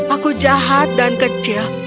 aku jahat dan kecil